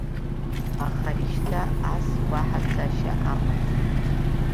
Аха ари шьҭа ас уаҳа цашьа амаӡам.